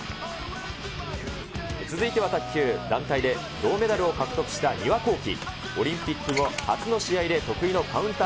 続いては卓球、団体で銅メダルを獲得した丹羽孝希。